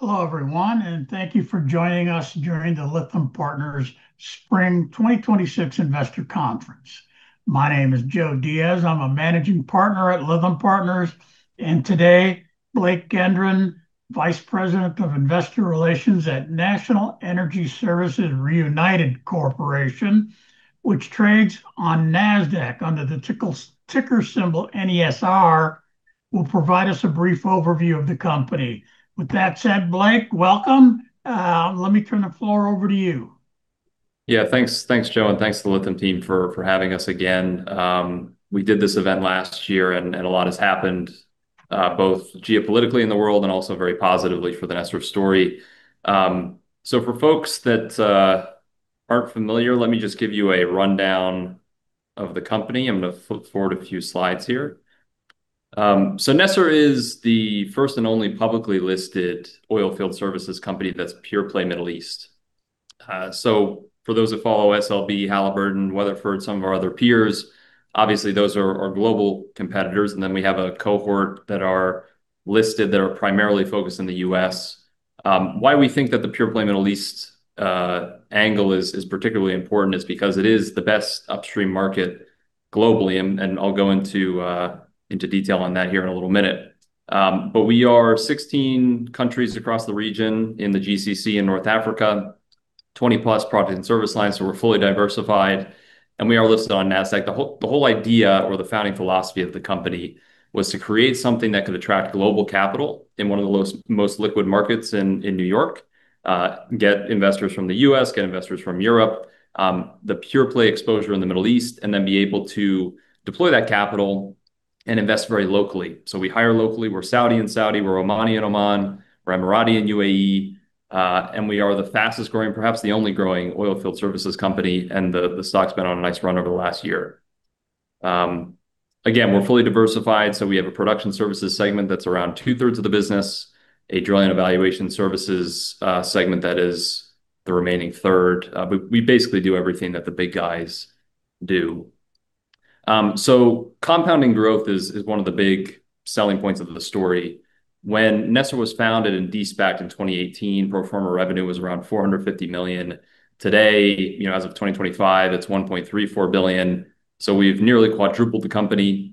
Hello, everyone, thank you for joining us during the Lytham Partners Spring 2026 Investor Conference. My name is Joe Diaz. I'm a Managing Partner at Lytham Partners. Today, Blake Gendron, Vice President of Investor Relations at National Energy Services Reunited Corporation which trades on Nasdaq under the ticker symbol NESR, will provide us a brief overview of the company. With that said, Blake, welcome. Let me turn the floor over to you. Yeah. Thanks, Joe, and thanks to the Lytham team for having us again. We did this event last year, and a lot has happened, both geopolitically in the world and also very positively for the NESR story. For folks that aren't familiar, let me just give you a rundown of the company. I'm going to flip forward a few slides here. NESR is the first and only publicly listed oilfield services company that's pure-play Middle East. For those that follow SLB, Halliburton, Weatherford, some of our other peers, obviously, those are our global competitors. Then we have a cohort that are listed, that are primarily focused in the U.S. Why we think that the pure-play Middle East angle is particularly important is because it is the best upstream market globally, and I'll go into detail on that here in a little minute. We are 16 countries across the region, in the GCC and North Africa, 20+ product and service lines. We're fully diversified, and we are listed on Nasdaq. The whole idea or the founding philosophy of the company was to create something that could attract global capital in one of the most liquid markets in New York, get investors from the U.S., get investors from Europe, the pure-play exposure in the Middle East, and then be able to deploy that capital and invest very locally. We hire locally. We're Saudi in Saudi, we're Omani in Oman, we're Emirati in U.A.E. We are the fastest-growing, perhaps the only growing, oilfield services company, and the stock's been on a nice run over the last year. Again, we're fully diversified. We have a production services segment that's around 2/3 of the business, a drilling and evaluation services segment that is the remaining third. We basically do everything that the big guys do. Compounding growth is one of the big selling points of the story. When NESR was founded and de-SPAC'd in 2018, pro forma revenue was around $450 million. Today, as of 2025, it's $1.34 billion. We've nearly quadrupled the company,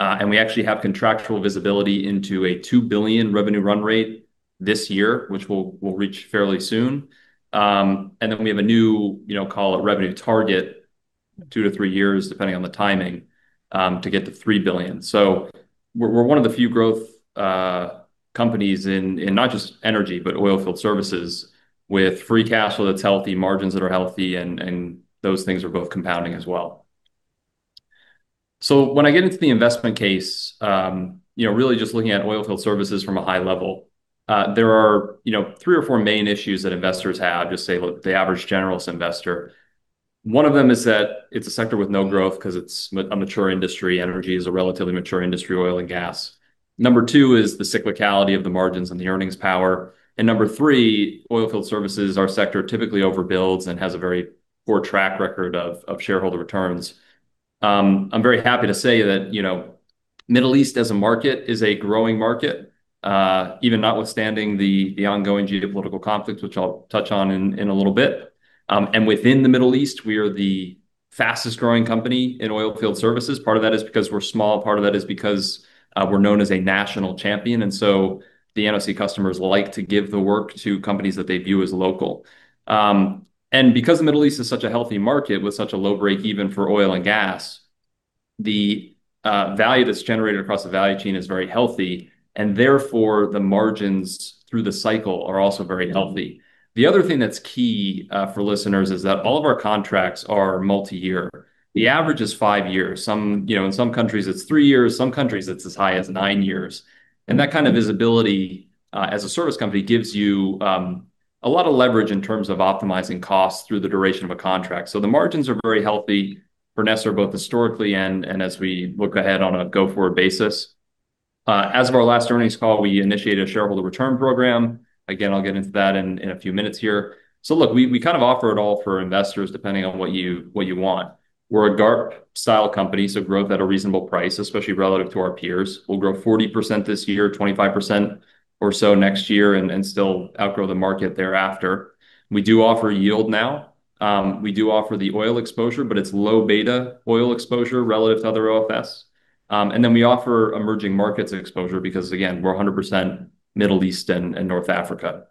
and we actually have contractual visibility into a $2 billion revenue run rate this year, which we'll reach fairly soon. We have a new, call it revenue target, two to three years, depending on the timing, to get to $3 billion. We're one of the few growth companies in not just energy, but oilfield services, with free cash flow that's healthy, margins that are healthy, and those things are both compounding as well. When I get into the investment case, really just looking at oilfield services from a high level, there are three or four main issues that investors have, just say, look, the average generalist investor. One of them is that it's a sector with no growth because it's a mature industry. Energy is a relatively mature industry, oil and gas. Number two is the cyclicality of the margins and the earnings power. Number three, oilfield services, our sector, typically overbuilds and has a very poor track record of shareholder returns. I'm very happy to say that Middle East as a market is a growing market, even notwithstanding the ongoing geopolitical conflicts, which I'll touch on in a little bit. Within the Middle East, we are the fastest-growing company in oilfield services. Part of that is because we're small. Part of that is because we're known as a national champion, so the NOC customers like to give the work to companies that they view as local. Because the Middle East is such a healthy market with such a low break-even for oil and gas, the value that's generated across the value chain is very healthy, and therefore, the margins through the cycle are also very healthy. The other thing that's key for listeners is that all of our contracts are multi-year. The average is five years. In some countries it's three years, some countries it's as high as nine years. That kind of visibility as a service company gives you a lot of leverage in terms of optimizing costs through the duration of a contract. The margins are very healthy for NESR, both historically and as we look ahead on a go-forward basis. As of our last earnings call, we initiated a shareholder return program. Again, I'll get into that in a few minutes here. Look, we kind of offer it all for investors, depending on what you want. We're a GARP-style company, so growth at a reasonable price, especially relative to our peers. We'll grow 40% this year, 25% or so next year, and still outgrow the market thereafter. We do offer yield now. We do offer the oil exposure, but it's low beta oil exposure relative to other OFS. We offer emerging markets exposure because, again, we're 100% Middle East and North Africa.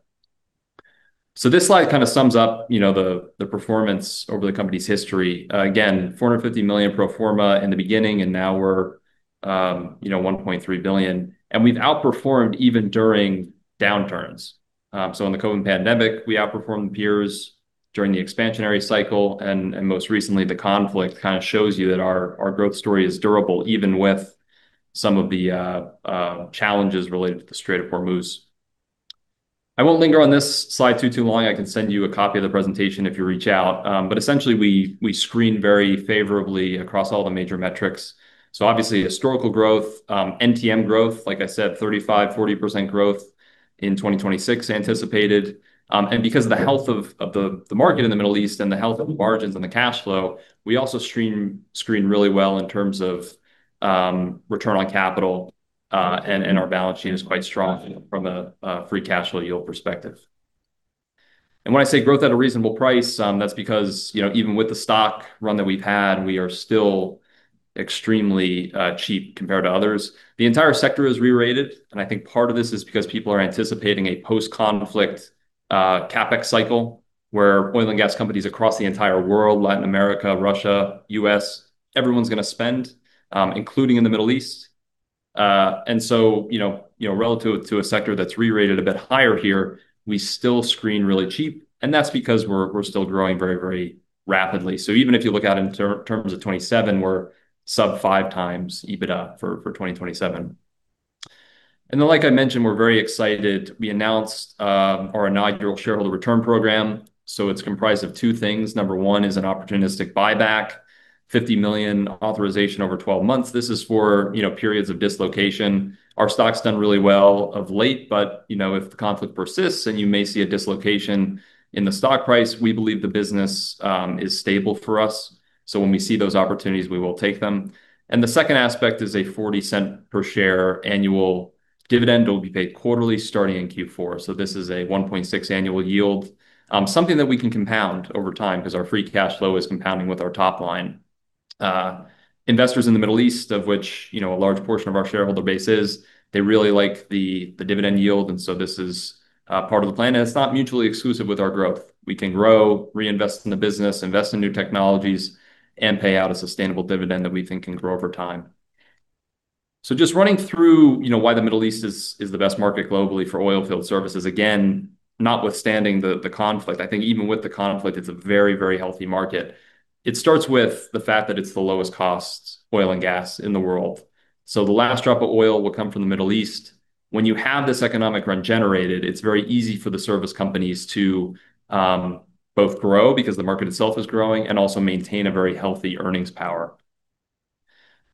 This slide kind of sums up the performance over the company's history. Again, $450 million proforma in the beginning, and now we're $1.3 billion. We've outperformed even during downturns. In the COVID pandemic, we outperformed the peers during the expansionary cycle, and most recently, the conflict kind of shows you that our growth story is durable, even with some of the challenges related to the Strait of Hormuz. I won't linger on this slide too long. I can send you a copy of the presentation if you reach out. Essentially, we screen very favorably across all the major metrics. Obviously, historical growth, NTM growth, like I said, 35%-40% growth in 2026 anticipated. Because of the health of the market in the Middle East and the health of the margins and the cash flow, we also screen really well in terms of return on capital, and our balance sheet is quite strong from a free cash flow yield perspective. When I say growth at a reasonable price, that's because, even with the stock run that we've had, we are still extremely cheap compared to others. The entire sector is re-rated, and I think part of this is because people are anticipating a post-conflict CapEx cycle where oil and gas companies across the entire world, Latin America, Russia, U.S., everyone's going to spend, including in the Middle East. Relative to a sector that's re-rated a bit higher here, we still screen really cheap, and that's because we're still growing very rapidly. Even if you look out in terms of 2027, we're sub 5x EBITDA for 2027. Then, like I mentioned, we're very excited. We announced our inaugural shareholder return program. It's comprised of two things. Number one is an opportunistic buyback, $50 million authorization over 12 months. This is for periods of dislocation. Our stock's done really well of late, but if the conflict persists, then you may see a dislocation in the stock price. We believe the business is stable for us, so when we see those opportunities, we will take them. The second aspect is a $0.40 per share annual dividend that will be paid quarterly starting in Q4. This is a 1.6 annual yield. Something that we can compound over time because our free cash flow is compounding with our top line. Investors in the Middle East, of which, a large portion of our shareholder base is, they really like the dividend yield. This is part of the plan, and it's not mutually exclusive with our growth. We can grow, reinvest in the business, invest in new technologies, and pay out a sustainable dividend that we think can grow over time. Just running through why the Middle East is the best market globally for oil field services. Again, notwithstanding the conflict, I think even with the conflict, it's a very healthy market. It starts with the fact that it's the lowest cost oil and gas in the world. The last drop of oil will come from the Middle East. When you have this economic run generated, it's very easy for the service companies to both grow, because the market itself is growing, and also maintain a very healthy earnings power.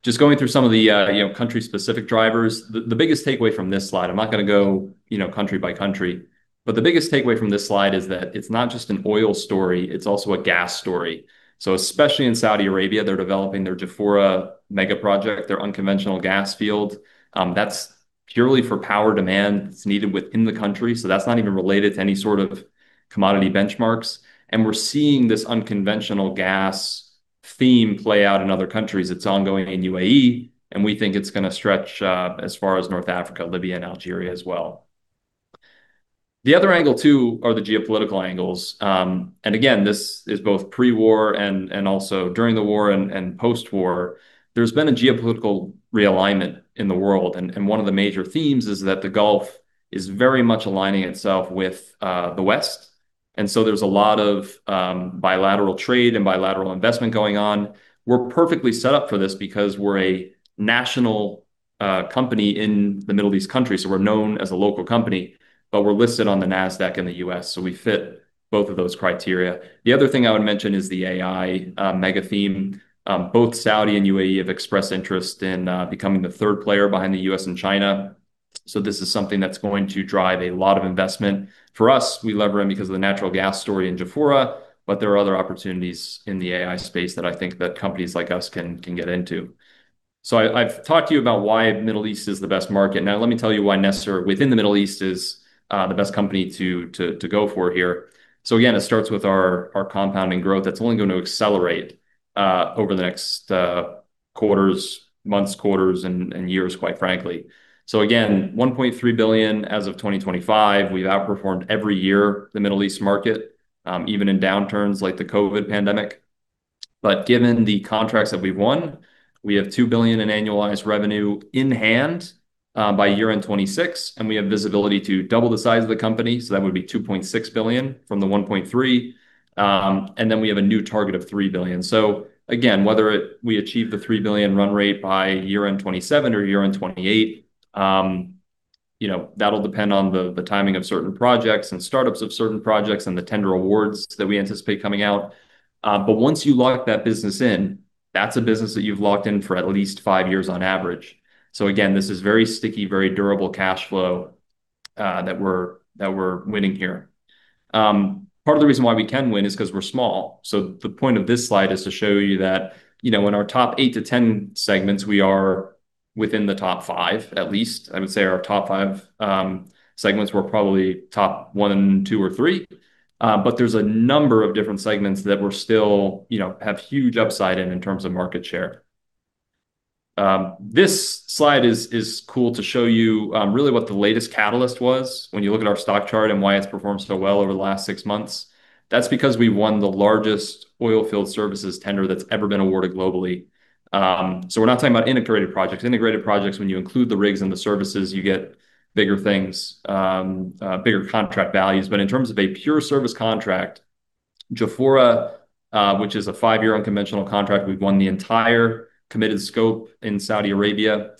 Just going through some of the country-specific drivers. The biggest takeaway from this slide, I'm not going to go country by country, but the biggest takeaway from this slide is that it's not just an oil story, it's also a gas story. Especially in Saudi Arabia, they're developing their Jafurah megaproject, their unconventional gas field. That's purely for power demand that's needed within the country. That's not even related to any sort of commodity benchmarks. We're seeing this unconventional gas theme play out in other countries. It's ongoing in UAE, and we think it's going to stretch as far as North Africa, Libya, and Algeria as well. The other angle, too, are the geopolitical angles. Again, this is both pre-war and also during the war and post-war. There's been a geopolitical realignment in the world, and one of the major themes is that the Gulf is very much aligning itself with the West, and so there's a lot of bilateral trade and bilateral investment going on. We're perfectly set up for this because we're a national company in the Middle East country, so we're known as a local company, but we're listed on the Nasdaq in the U.S., so we fit both of those criteria. The other thing I would mention is the AI mega theme. Both Saudi and UAE have expressed interest in becoming the third player behind the U.S. and China. This is something that's going to drive a lot of investment. For us, we lever in because of the natural gas story in Jafurah, there are other opportunities in the AI space that I think that companies like us can get into. I've talked to you about why Middle East is the best market. Now, let me tell you why NESR within the Middle East is the best company to go for here. Again, it starts with our compounding growth that's only going to accelerate over the next months, quarters, and years, quite frankly. Again, $1.3 billion as of 2025. We've outperformed every year the Middle East market, even in downturns like the COVID pandemic. Given the contracts that we've won, we have $2 billion in annualized revenue in hand by year-end 2026, and we have visibility to double the size of the company, so that would be $2.6 billion from the $1.3. Then we have a new target of $3 billion. Again, whether we achieve the $3 billion run rate by year-end 2027 or year-end 2028, that'll depend on the timing of certain projects and startups of certain projects and the tender awards that we anticipate coming out. Once you lock that business in, that's a business that you've locked in for at least five years on average. Again, this is very sticky, very durable cash flow that we're winning here. Part of the reason why we can win is because we're small. The point of this slide is to show you that in our top 8-10 segments, we are within the top five, at least. I would say our top five segments, we're probably top one, two, or three. There's a number of different segments that we still have huge upside in terms of market share. This slide is cool to show you really what the latest catalyst was when you look at our stock chart and why it's performed so well over the last six months. That's because we won the largest oilfield services tender that's ever been awarded globally. We're not talking about integrated projects. Integrated projects, when you include the rigs and the services, you get bigger things, bigger contract values. In terms of a pure service contract, Jafurah, which is a five-year unconventional contract, we've won the entire committed scope in Saudi Arabia.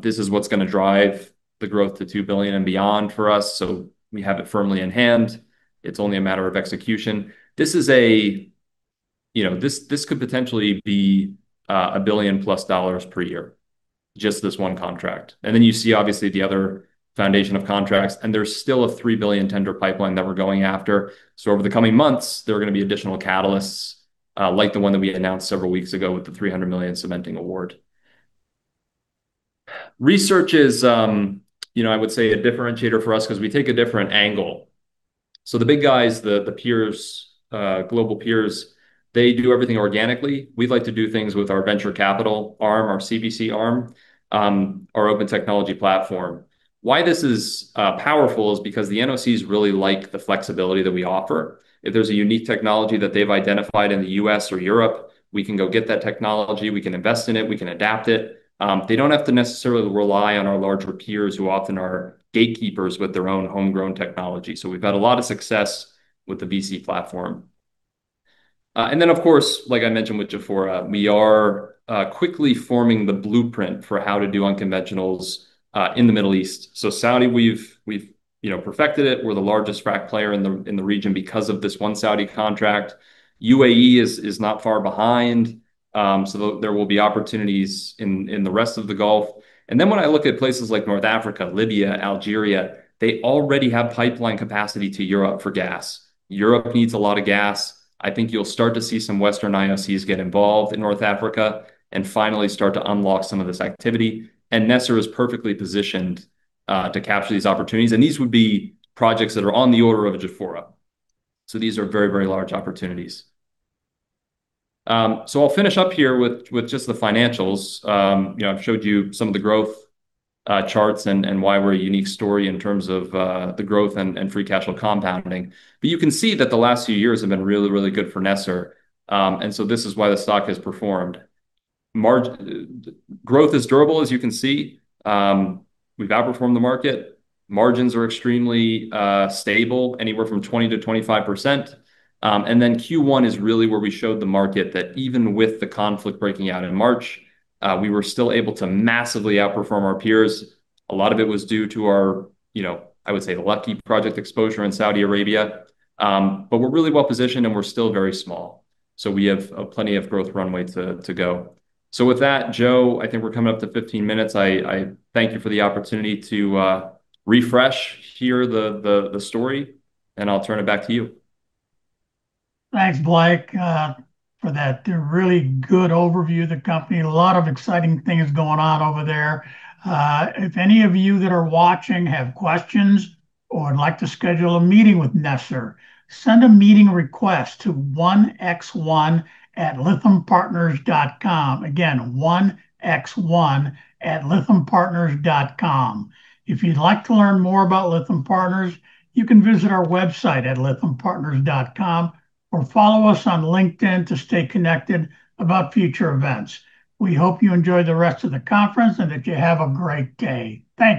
This is what's going to drive the growth to $2 billion and beyond for us, so we have it firmly in hand. It's only a matter of execution. This could potentially be a $1 billion-plus per year, just this one contract. You see, obviously, the other foundation of contracts, and there's still a $3 billion tender pipeline that we're going after. Over the coming months, there are going to be additional catalysts, like the one that we announced several weeks ago with the $300 million cementing award. Research is, I would say, a differentiator for us because we take a different angle. The big guys, the peers, global peers, they do everything organically. We like to do things with our venture capital arm, our CVC arm, our open technology platform. Why this is powerful is because the NOCs really like the flexibility that we offer. If there's a unique technology that they've identified in the U.S. or Europe, we can go get that technology, we can invest in it, we can adapt it. They don't have to necessarily rely on our larger peers, who often are gatekeepers with their own homegrown technology. We've had a lot of success with the VC platform. Of course, like I mentioned with Jafurah, we are quickly forming the blueprint for how to do unconventionals in the Middle East. Saudi, we've perfected it. We're the largest frack player in the region because of this one Saudi contract. U.A.E. is not far behind, so there will be opportunities in the rest of the Gulf. When I look at places like North Africa, Libya, Algeria, they already have pipeline capacity to Europe for gas. Europe needs a lot of gas. I think you'll start to see some Western IOCs get involved in North Africa and finally start to unlock some of this activity. NESR is perfectly positioned to capture these opportunities, and these would be projects that are on the order of a Jafurah. These are very, very large opportunities. I'll finish up here with just the financials. I've showed you some of the growth charts and why we're a unique story in terms of the growth and free cash flow compounding. You can see that the last few years have been really, really good for NESR, and so this is why the stock has performed. Growth is durable, as you can see. We've outperformed the market. Margins are extremely stable, anywhere from 20%-25%. Q1 is really where we showed the market that even with the conflict breaking out in March, we were still able to massively outperform our peers. A lot of it was due to our, I would say, lucky project exposure in Saudi Arabia. We're really well-positioned, and we're still very small, so we have plenty of growth runway to go. With that, Joe, I think we're coming up to 15 minutes. I thank you for the opportunity to refresh here the story, and I'll turn it back to you. Thanks, Blake, for that really good overview of the company. A lot of exciting things going on over there. If any of you that are watching have questions or would like to schedule a meeting with NESR, send a meeting request to 1x1@lythampartners.com. Again, 1x1@lythampartners.com. If you'd like to learn more about Lytham Partners, you can visit our website at lythampartners.com or follow us on LinkedIn to stay connected about future events. We hope you enjoy the rest of the conference and that you have a great day. Thank you